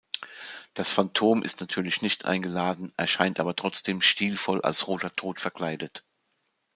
Das Phantom ist natürlich nicht eingeladen, erscheint aber trotzdem stilvoll als Roter Tod verkleidet.